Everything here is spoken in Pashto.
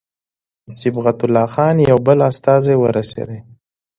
صبغت الله خان یو بل استازی ورسېدی.